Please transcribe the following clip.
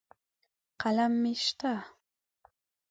قلم مې شته.